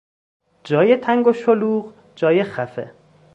جای تنگ و شلوغ، جای خفه